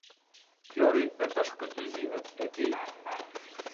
Klori dhe bashkë dyzimet e tij.